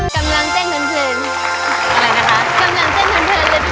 กำลังเต้นกันเพลง